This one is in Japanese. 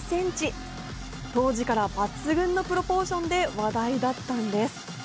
当時から抜群のプロポーションで話題だったんです。